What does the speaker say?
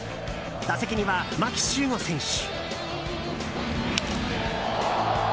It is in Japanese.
打席には牧秀悟選手。